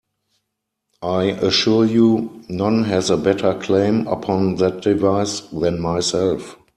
I assure you, none has a better claim upon that device than myself.